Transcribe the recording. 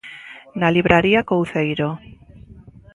Na libraría Couceiro.